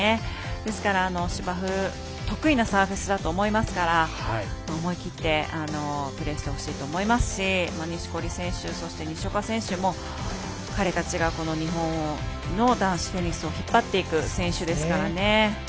ですから、芝生得意なサーフェスだと思いますから思い切ってプレーしてほしいと思いますし錦織選手、そして西岡選手も彼たちがこの日本の男子テニスを引っ張っていく選手ですからね。